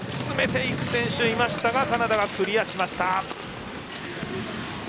詰めていく選手いましたがカナダ、クリアしました。